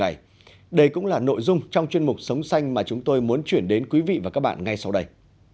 đây cũng là nội dung trong chuyên mục sống xanh mà chúng tôi muốn chuyển đến quý vị và các bạn ngay sau đây